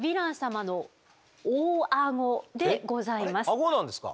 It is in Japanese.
アゴなんですか？